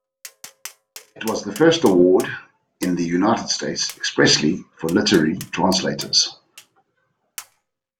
It was the first award in the United States expressly for literary translators.